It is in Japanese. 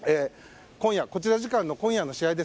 こちら時間の今夜の試合